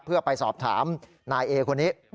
เพื่อไปสอบถามนายเอคนนี้